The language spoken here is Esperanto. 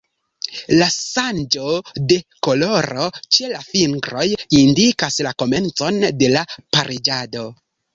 La ŝanĝo de koloro ĉe la fingroj indikas la komencon de la pariĝado.